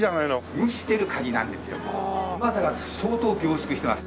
うまさが相当凝縮してます。